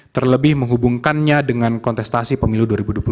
terlebih menghubungkannya dengan kontestasi pemilu dua ribu dua puluh